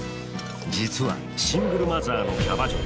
実はシングルマザーのキャバ嬢。